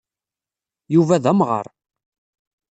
Yuba d amɣar.